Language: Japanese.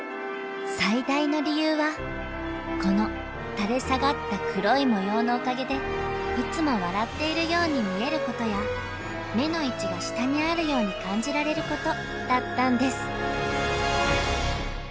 最大の理由はこの垂れ下がった黒い模様のおかげでいつも笑っているように見えることや目の位置が下にあるように感じられることだったんです。